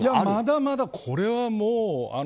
まだまだ、これはもう。